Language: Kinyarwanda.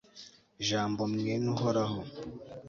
jambo mwen'uhoraho